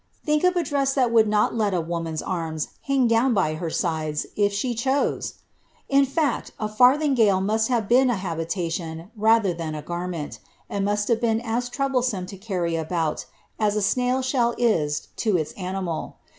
Think of a dress that would not let a woman^s arms hang down by her sides, if she chose ! In fact, a forthingale must hava been a habitation, rather than a garment,' and mtist have been as trouble some to carry about as a snail shell is to its animal.